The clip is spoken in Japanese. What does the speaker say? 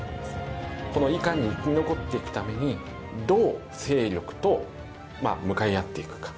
このいかに生き残っていくためにどう勢力と向かい合っていくか。